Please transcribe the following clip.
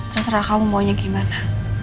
terserah kamu maunya gimana